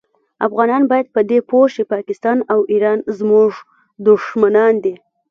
افغانان باید په دي پوه شي پاکستان او ایران زمونږ دوښمنان دي